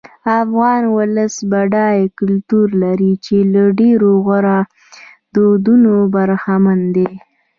افغان ولس بډای کلتور لري چې له ډېرو غوره دودونو برخمن دی.